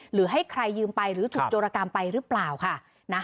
หรือให้ใครยืมไปหรือถูกโจรกรรมไปหรือเปล่าค่ะนะ